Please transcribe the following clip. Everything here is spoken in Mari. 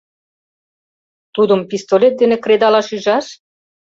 “Тудым пистолет дене кредалаш ӱжаш?